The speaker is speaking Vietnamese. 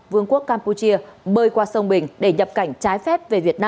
vương quốc campuchia bơi qua sông bình để nhập cảnh trái phép